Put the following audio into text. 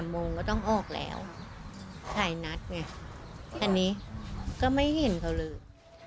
โมงก็ต้องออกแล้วหลายนัดไงอันนี้ก็ไม่เห็นเขาเลย